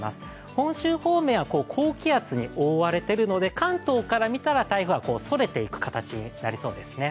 本州方面は高気圧に覆われているので、関東から見たら台風はそれていく形になりそうです。